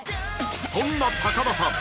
そんな高田さん